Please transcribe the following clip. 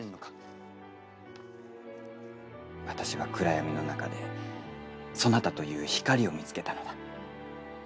私は暗闇の中でそなたという光を見つけたのだ。